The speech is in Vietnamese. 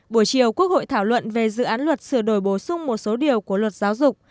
buổi chiều quốc hội thảo luận về dự án luật sửa đổi bổ sung một số điều của luật giáo dục